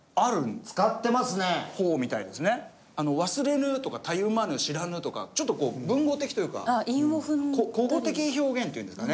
「忘れぬ」とか「たゆまぬ」「知らぬ」とかちょっとこう文語的というか古語的表現というんですかね